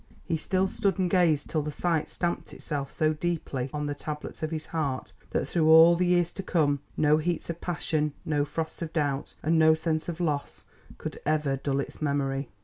He still stood and gazed till the sight stamped itself so deeply on the tablets of his heart that through all the years to come no heats of passion, no frosts of doubt, and no sense of loss could ever dull its memory.